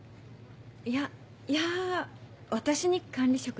いやいや私に管理職なんて。